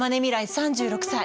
３６歳。